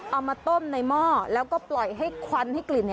เอามาต้มในหม้อแล้วก็ปล่อยให้ควันให้กลิ่น